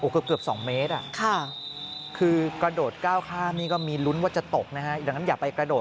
เกือบ๒เมตรคือกระโดดก้าวข้ามนี่ก็มีลุ้นว่าจะตกนะฮะดังนั้นอย่าไปกระโดด